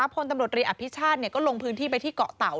พลตำรวจรีอภิชาติก็ลงพื้นที่ไปที่เกาะเต่า